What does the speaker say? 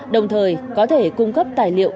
đồng thời có thể cung cấp tài liệu